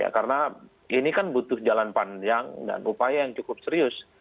karena ini kan butuh jalan panjang dan upaya yang cukup serius